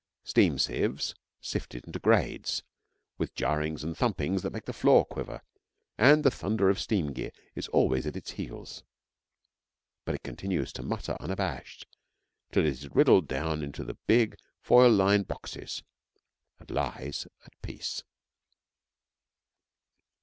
Steam sieves sift it into grades, with jarrings and thumpings that make the floor quiver, and the thunder of steam gear is always at its heels; but it continues to mutter unabashed till it is riddled down into the big, foil lined boxes and lies at peace.